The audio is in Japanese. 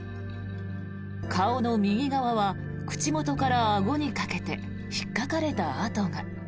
顔の右側は口元からあごにかけて引っかかれた跡が。